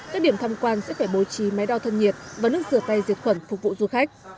các điểm thăm quan sẽ phải bố trí máy đo thân nhiệt và nước rửa tay diệt khuẩn phục vụ du khách